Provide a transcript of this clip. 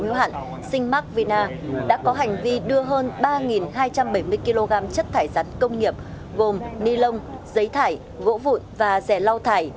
hữu hạn sinh mark vina đã có hành vi đưa hơn ba hai trăm bảy mươi kg chất thải rắn công nghiệp gồm ni lông giấy thải gỗ vụn và rẻ lau thải